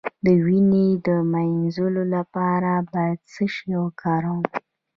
د وینې د مینځلو لپاره باید څه شی وکاروم؟